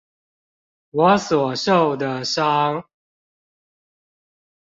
我所受的傷